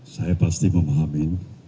saya pasti memahami